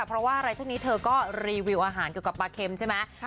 เพราะว่าอะไรช่วงนี้เธอก็รีวิวอาหารเกี่ยวกับปลาเค็มใช่ไหม